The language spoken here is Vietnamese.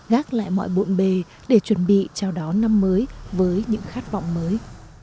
gác lại mọi bộn bề để chuẩn bị chào đón năm mới với những khát vọng mới